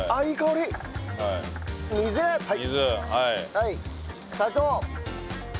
はい砂糖。